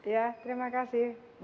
ya terima kasih